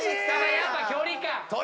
やっぱ距離感。